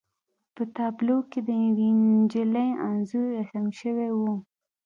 په تابلو کې د یوې نجلۍ انځور رسم شوی و